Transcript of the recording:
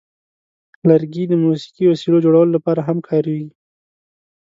لرګي د موسیقي وسیلو جوړولو لپاره هم کارېږي.